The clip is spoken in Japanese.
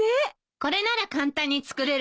これなら簡単に作れるでしょ？